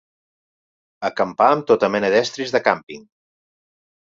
Acampar amb tota mena d'estris de càmping.